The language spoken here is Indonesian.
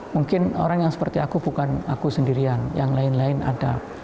mungkin orang yang seperti aku bukan aku sendirian yang lain lain ada